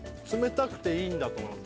冷たくていいんだと。